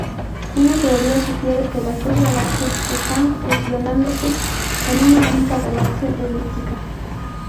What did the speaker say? Una teoría sugiere que las dos galaxias están fusionándose en una única galaxia elíptica.